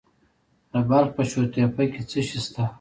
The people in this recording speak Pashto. د بلخ په شورتپه کې څه شی شته؟